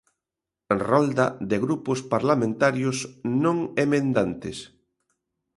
Rolda de grupos parlamentarios non emendantes.